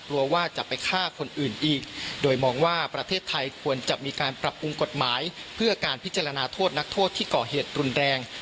ว่าจะไปฆ่าคนอื่นอีกโดยมองว่าประเทศไทยควรจะมีการปรับปรุงกฎหมายเพื่อการพิจารณาโทษนักโทษที่ก่อเหตุรุนแรง